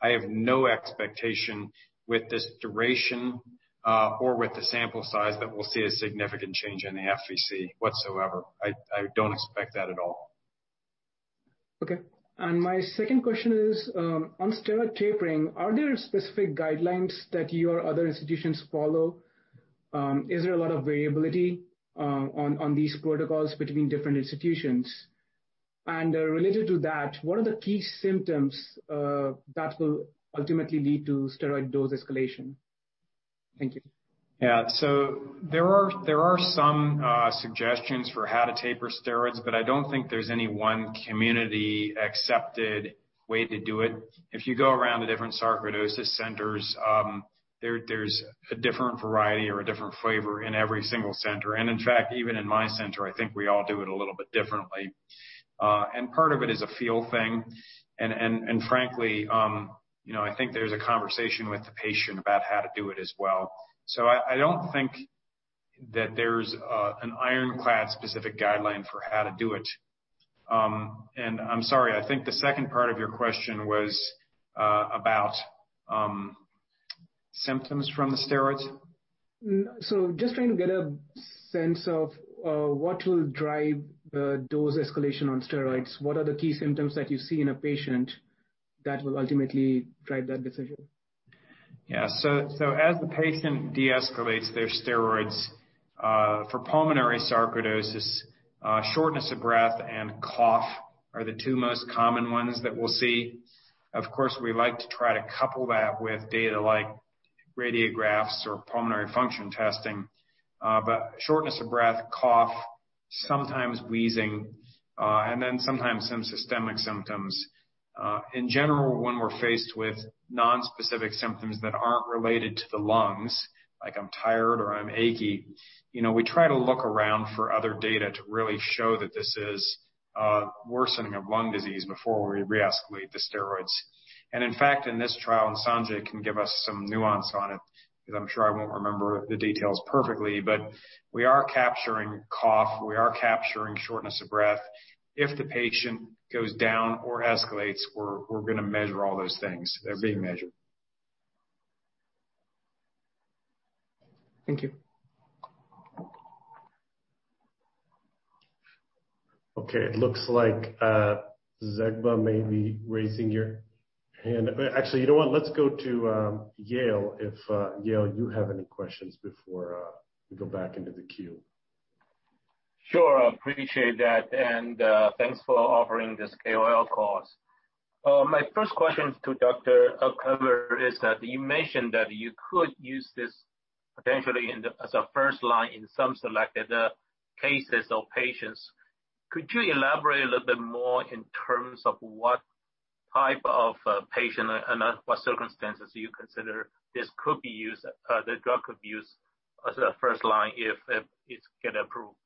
I have no expectation with this duration or with the sample size that we'll see a significant change in the FVC whatsoever. I don't expect that at all. Okay. My second question is, on steroid tapering, are there specific guidelines that you or other institutions follow? Is there a lot of variability on these protocols between different institutions? Related to that, what are the key symptoms that will ultimately lead to steroid dose escalation? Thank you. Yeah. There are some suggestions for how to taper steroids, but I don't think there's any one community-accepted way to do it. If you go around the different sarcoidosis centers, there's a different variety or a different flavor in every single center. In fact, even in my center, I think we all do it a little bit differently. Part of it is a feel thing. Frankly, I think there's a conversation with the patient about how to do it as well. I don't think that there's an ironclad specific guideline for how to do it. I'm sorry, I think the second part of your question was about symptoms from the steroids? Just trying to get a sense of what will drive the dose escalation on steroids. What are the key symptoms that you see in a patient that will ultimately drive that decision? As the patient deescalates their steroids for pulmonary sarcoidosis, shortness of breath and cough are the two most common ones that we'll see. Of course, we like to try to couple that with data like radiographs or pulmonary function testing. Shortness of breath, cough, sometimes wheezing, sometimes some systemic symptoms. In general, when we're faced with non-specific symptoms that aren't related to the lungs, like I'm tired or I'm achy, we try to look around for other data to really show that this is a worsening of lung disease before we reescalate the steroids. In fact, in this trial, Sanjay can give us some nuance on it, because I'm sure I won't remember the details perfectly, we are capturing cough, we are capturing shortness of breath. If the patient goes down or escalates, we're going to measure all those things. They're being measured. Thank you. Okay, it looks like Zegbeh Jallah may be raising your hand. Actually, you know what? Let's go to Yale, if, Yale, you have any questions before we go back into the queue. Sure, appreciate that. Thanks for offering this KOL course. My first question to Dr. Culver is that you mentioned that you could use this potentially as a first line in some selected cases or patients. Could you elaborate a little bit more in terms of what type of patient and what circumstances you consider the drug could be used as a first line if it get approved?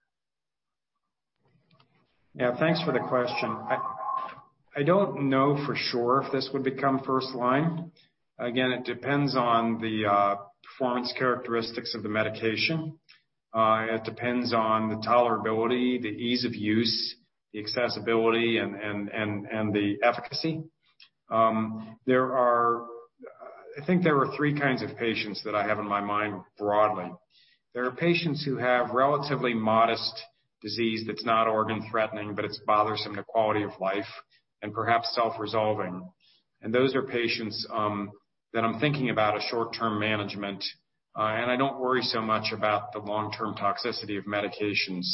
Yeah, thanks for the question. I don't know for sure if this would become first line. Again, it depends on the performance characteristics of the medication. It depends on the tolerability, the ease of use, the accessibility, and the efficacy. I think there are three kinds of patients that I have in my mind broadly. There are patients who have relatively modest disease that's not organ-threatening, but it's bothersome to quality of life and perhaps self-resolving. Those are patients that I'm thinking about a short-term management, and I don't worry so much about the long-term toxicity of medications.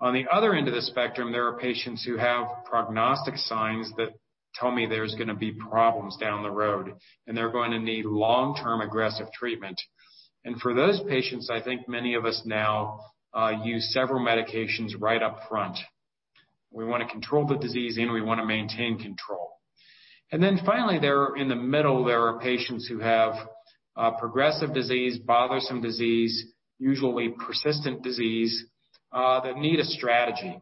On the other end of the spectrum, there are patients who have prognostic signs that tell me there's going to be problems down the road, and they're going to need long-term aggressive treatment. For those patients, I think many of us now use several medications right up front. We want to control the disease, and we want to maintain control. Finally, in the middle, there are patients who have progressive disease, bothersome disease, usually persistent disease, that need a strategy.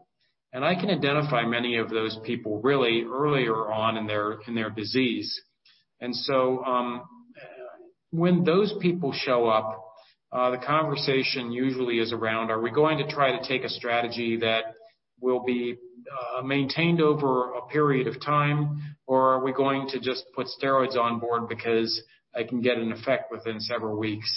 I can identify many of those people really earlier on in their disease. When those people show up, the conversation usually is around, are we going to try to take a strategy that will be maintained over a period of time, or are we going to just put steroids on board because I can get an effect within several weeks?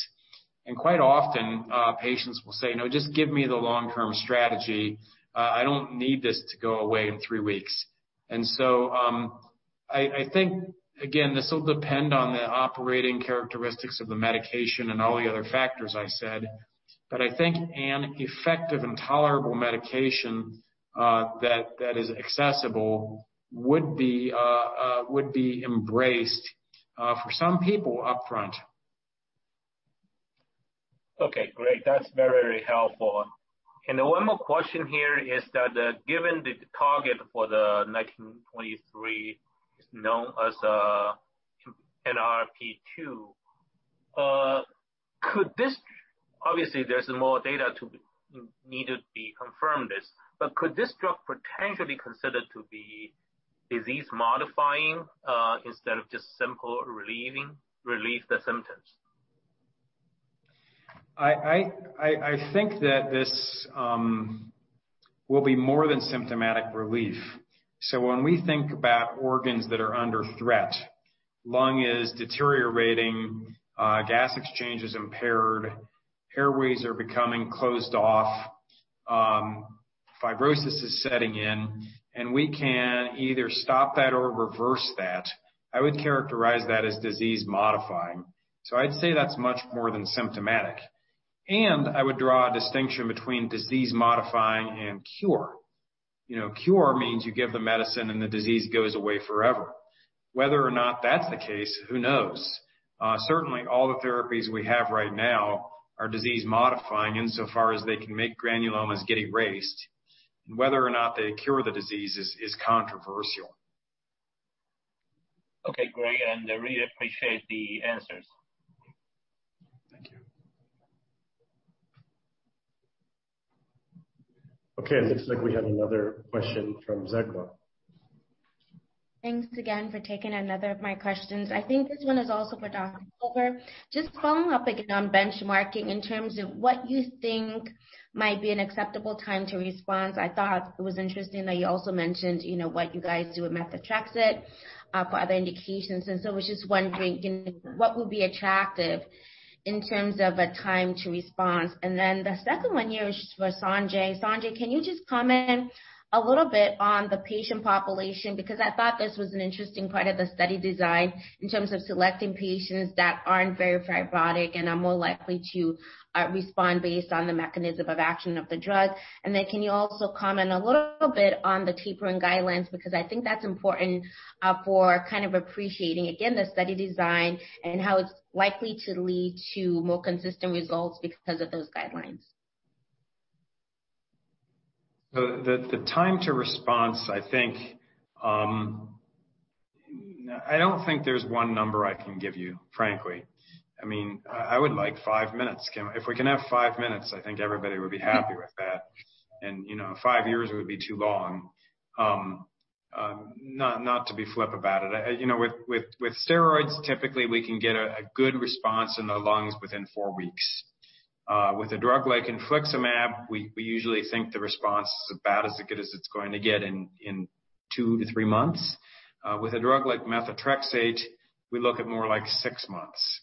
Quite often, patients will say, "No, just give me the long-term strategy. I don't need this to go away in three weeks." I think, again, this will depend on the operating characteristics of the medication and all the other factors I said. I think an effective and tolerable medication that is accessible would be embraced for some people upfront. Okay, great. That's very helpful. One more question here is that given the target for the 1923 is known as NRP2, obviously, there's more data to need to be confirmed this, but could this drug potentially be considered to be disease-modifying instead of just relieve the symptoms? I think that this will be more than symptomatic relief. When we think about organs that are under threat, lung is deteriorating, gas exchange is impaired, airways are becoming closed off, fibrosis is setting in, and we can either stop that or reverse that, I would characterize that as disease-modifying. I'd say that's much more than symptomatic. I would draw a distinction between disease-modifying and cure. Cure means you give the medicine and the disease goes away forever. Whether or not that's the case, who knows? Certainly, all the therapies we have right now are disease-modifying insofar as they can make granulomas get erased. Whether or not they cure the disease is controversial. Okay, great. I really appreciate the answers. Okay, it looks like we have another question from Zegbeh Jallah. Thanks again for taking another of my questions. I think this one is also for Dr. Culver. Just following up again on benchmarking in terms of what you think might be an acceptable time to response. I thought it was interesting that you also mentioned what you guys do with methotrexate for other indications. I was just wondering what would be attractive in terms of a time to response. The second one here is for Sanjay. Sanjay, can you just comment a little bit on the patient population? Because I thought this was an interesting part of the study design in terms of selecting patients that aren't very fibrotic and are more likely to respond based on the mechanism of action of the drug. Can you also comment a little bit on the tapering guidelines? I think that's important for kind of appreciating, again, the study design and how it's likely to lead to more consistent results because of those guidelines. The time to response, I don't think there's one number I can give you, frankly. I would like five minutes. If we can have five minutes, I think everybody would be happy with that, and five years would be too long. Not to be flip about it. With steroids, typically, we can get a good response in the lungs within four weeks. With a drug like infliximab, we usually think the response is about as good as it's going to get in two to three months. With a drug like methotrexate, we look at more like six months.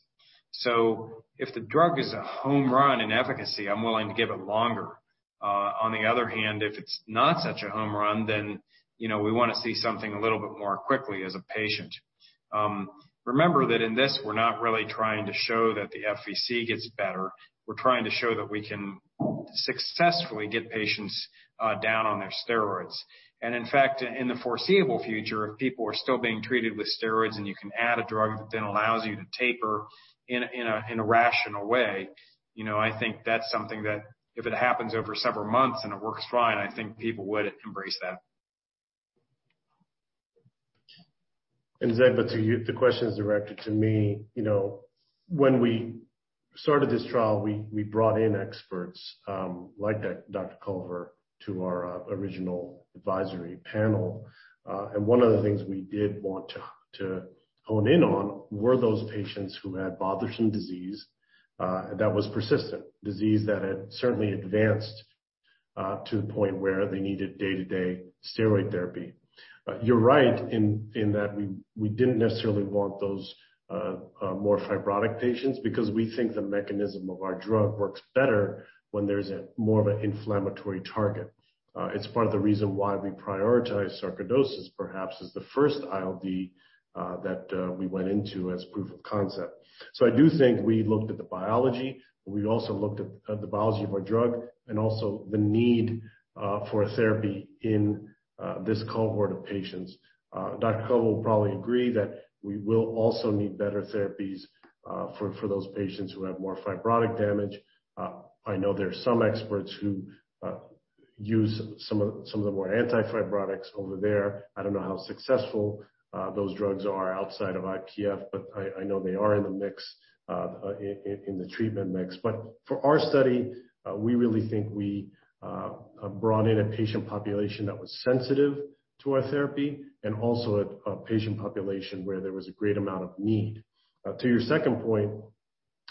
If the drug is a home run in efficacy, I'm willing to give it longer. On the other hand, if it's not such a home run, we want to see something a little bit more quickly as a patient. Remember that in this, we're not really trying to show that the FVC gets better. We're trying to show that we can successfully get patients down on their steroids. In fact, in the foreseeable future, if people are still being treated with steroids and you can add a drug that then allows you to taper in a rational way, I think that's something that if it happens over several months and it works fine, I think people would embrace that. Zegbeh, the question is directed to me. When we started this trial, we brought in experts like Dr. Culver to our original advisory panel. One of the things we did want to hone in on were those patients who had bothersome disease that was persistent, disease that had certainly advanced to the point where they needed day-to-day steroid therapy. You're right in that we didn't necessarily want those more fibrotic patients because we think the mechanism of our drug works better when there's more of an inflammatory target. It's part of the reason why we prioritize sarcoidosis, perhaps, as the first ILD that we went into as proof of concept. I do think we looked at the biology, but we also looked at the biology of our drug and also the need for a therapy in this cohort of patients. Dr. Culver will probably agree that we will also need better therapies for those patients who have more fibrotic damage. I know there are some experts who use some of the more anti-fibrotics over there. I don't know how successful those drugs are outside of IPF, but I know they are in the treatment mix. For our study, we really think we brought in a patient population that was sensitive to our therapy, and also a patient population where there was a great amount of need. To your second point,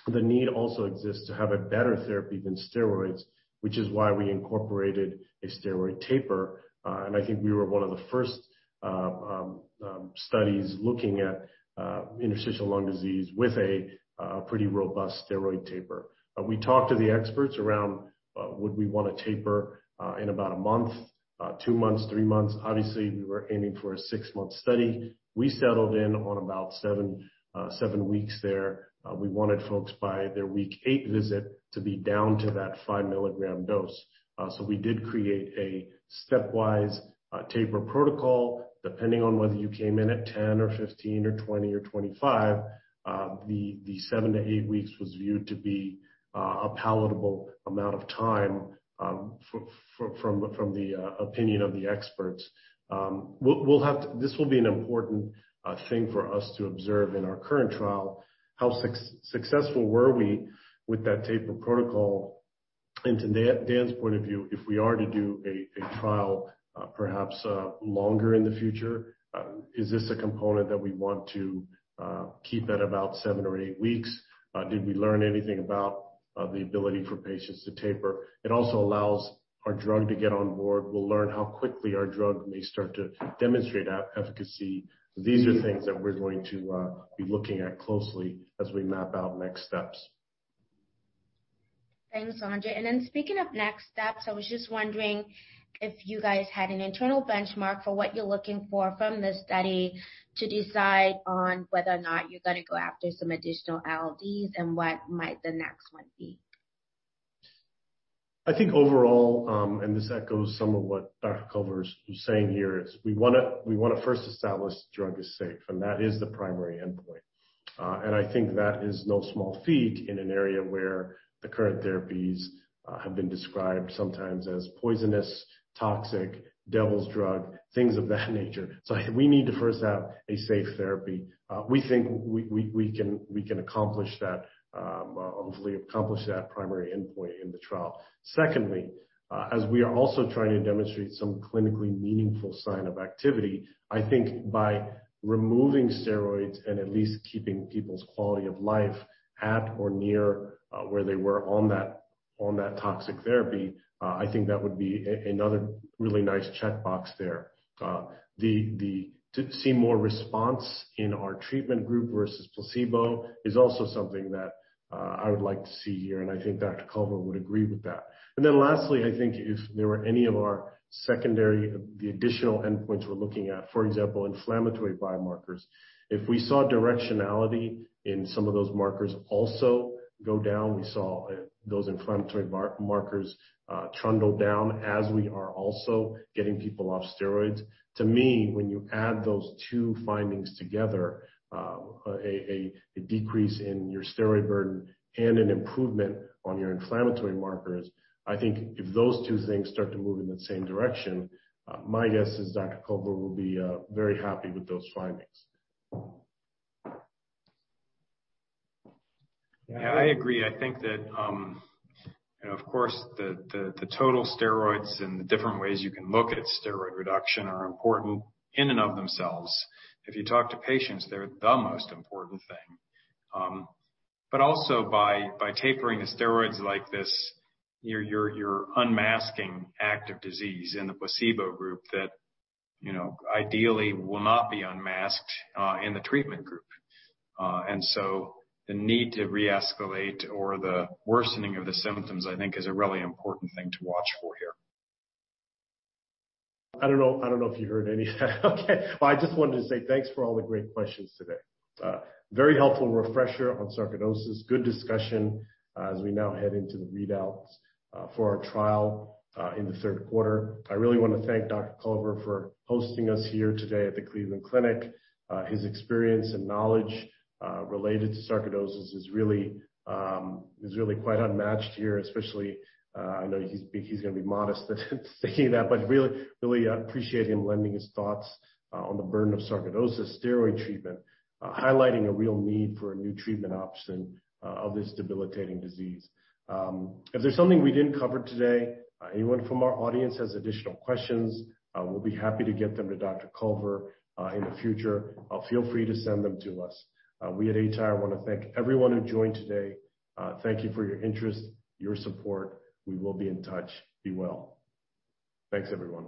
the need also exists to have a better therapy than steroids, which is why we incorporated a steroid taper. I think we were one of the first studies looking at interstitial lung disease with a pretty robust steroid taper. We talked to the experts around would we want to taper in about one month, two months, three months. Obviously, we were aiming for a six-month study. We settled in on about seven weeks there. We wanted folks by their week eight visit to be down to that 5 mg dose. We did create a stepwise taper protocol. Depending on whether you came in at 10 or 15 or 20 or 25, the seven to eight weeks was viewed to be a palatable amount of time from the opinion of the experts. This will be an important thing for us to observe in our current trial. How successful were we with that taper protocol? To Dan's point of view, if we are to do a trial perhaps longer in the future, is this a component that we want to keep at about seven or eight weeks? Did we learn anything about the ability for patients to taper? It also allows our drug to get on board. We'll learn how quickly our drug may start to demonstrate efficacy. These are things that we're going to be looking at closely as we map out next steps. Thanks, Sanjay. Speaking of next steps, I was just wondering if you guys had an internal benchmark for what you're looking for from this study to decide on whether or not you're going to go after some additional ILDs and what might the next one be. I think overall, and this echoes some of what Dr. Culver's saying here, is we want to first establish the drug is safe, and that is the primary endpoint. I think that is no small feat in an area where the current therapies have been described sometimes as poisonous, toxic, devil's drug, things of that nature. We need to first have a safe therapy. We think we can accomplish that primary endpoint in the trial. Secondly, as we are also trying to demonstrate some clinically meaningful sign of activity, I think by removing steroids and at least keeping people's quality of life at or near where they were on that toxic therapy, I think that would be another really nice checkbox there. To see more response in our treatment group versus placebo is also something that I would like to see here, and I think Dr. Culver would agree with that. Lastly, I think if there were any of our secondary, the additional endpoints we're looking at, for example, inflammatory biomarkers, if we saw directionality in some of those markers also go down, we saw those inflammatory markers trundle down as we are also getting people off steroids. To me, when you add those two findings together, a decrease in your steroid burden and an improvement on your inflammatory markers, I think if those two things start to move in the same direction, my guess is Dr. Culver will be very happy with those findings. Yeah, I agree. I think that, of course, the total steroids and the different ways you can look at steroid reduction are important in and of themselves. If you talk to patients, they're the most important thing. Also by tapering the steroids like this, you're unmasking active disease in the placebo group that ideally will not be unmasked in the treatment group. The need to re-escalate or the worsening of the symptoms, I think is a really important thing to watch for here. I don't know if you heard any of that. Okay. Well, I just wanted to say thanks for all the great questions today. Very helpful refresher on sarcoidosis. Good discussion as we now head into the readouts for our trial in the third quarter. I really want to thank Dr. Culver for hosting us here today at the Cleveland Clinic. His experience and knowledge related to sarcoidosis is really quite unmatched here, especially, I know he's going to be modest saying that, but really appreciate him lending his thoughts on the burden of sarcoidosis steroid treatment, highlighting a real need for a new treatment option of this debilitating disease. If there's something we didn't cover today, anyone from our audience has additional questions, we'll be happy to get them to Dr. Culver in the future. Feel free to send them to us. We at aTyr want to thank everyone who joined today. Thank you for your interest, your support. We will be in touch. Be well. Thanks, everyone.